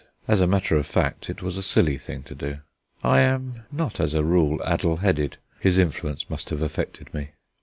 As a matter of fact, it was a silly thing to do. I am not as a rule addle headed; his influence must have affected me.